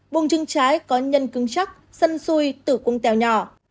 bùng trứng trái có nhân cứng chắc sân xuôi tử cung tèo nhỏ